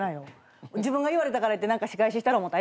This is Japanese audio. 自分が言われたからって仕返ししたろ思うた？